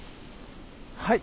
はい。